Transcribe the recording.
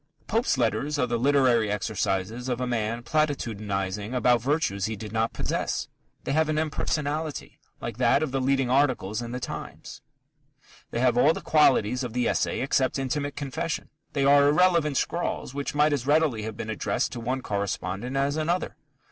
Pope's letters are the literary exercises of a man platitudinizing about virtues he did not possess. They have an impersonality, like that of the leading articles in The Times. They have all the qualities of the essay except intimate confession. They are irrelevant scrawls which might as readily have been addressed to one correspondent as another.